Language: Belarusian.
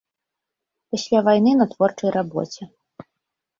Пасля вайны на творчай рабоце.